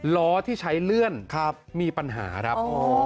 ล้อที่ใช้เลื่อนมีปัญหาครับ